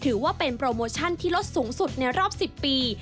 ถือว่าเป็นโปรโมชั่นที่ลดสูงสุดในรอบ๑๐ปี